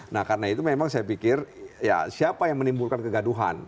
nah karena itu memang saya pikir ya siapa yang menimbulkan kegaduhan